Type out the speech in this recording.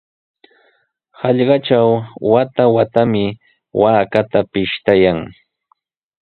Hallqatraw wata-watami waakata pishtayan.